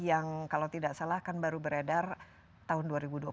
yang kalau tidak salah kan baru beredar tahun dua ribu dua puluh satu